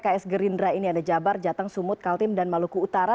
pks gerindra ini ada jabar jateng sumut kaltim dan maluku utara